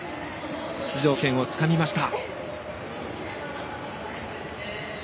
出場権をつかみました。